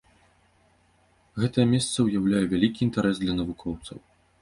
Гэтае месца ўяўляе вялікі інтарэс для навукоўцаў.